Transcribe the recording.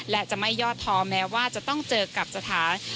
และจะไม่ยอดท้อแม้ว่าจะต้องเจอกับสถาน